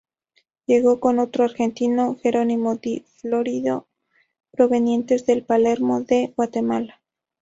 Llegó con otro argentino, Gerónimo Di Florio, provenientes del Palermo de Guatemala.